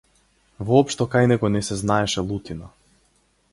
Воопшто кај него не се знаеше лутина.